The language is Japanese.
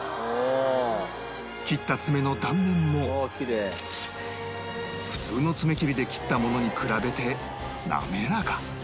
切った爪の断面も普通の爪切りで切ったものに比べて滑らか